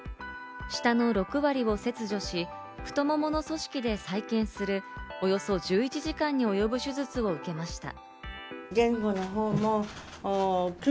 舌の６割を切除し、太ももの組織で再建する、およそ１１時間に及ぶ手術を受けました。